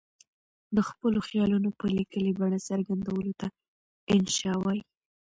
د خپلو خیالونو په لیکلې بڼه څرګندولو ته انشأ وايي.